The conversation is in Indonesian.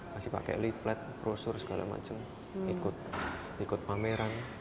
masih pakai leaflet brosur segala macam ikut pameran